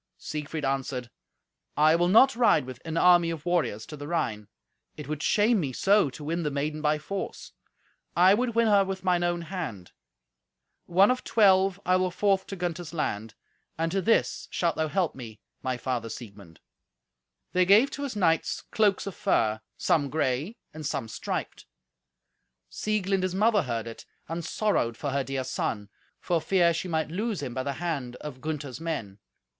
Siegfried answered, "I will not ride with an army of warriors to the Rhine; it would shame me so to win the maiden by force. I would win her with mine own hand. One of twelve I will forth to Gunther's land, and to this shalt thou help me, my father Siegmund." They gave to his knights cloaks of fur, some grey and some striped. Sieglind his mother heard it, and sorrowed for her dear son, for fear she might lose him by the hand of Gunther's men.